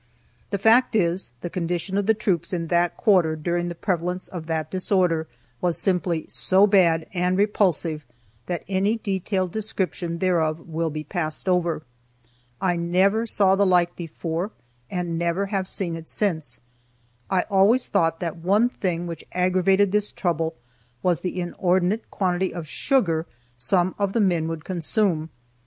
The fact is, the condition of the troops in that quarter during the prevalence of that disorder was simply so bad and repulsive that any detailed description thereof will be passed over. I never saw the like before, and never have seen it since. I always thought that one thing which aggravated this trouble was the inordinate quantity of sugar some of the men would consume.